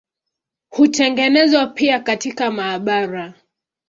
Hutengenezwa pia katika maabara.